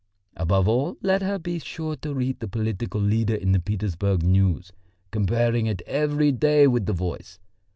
Above all, let her be sure to read the political leader in the Petersburg News, comparing it every day with the Voice.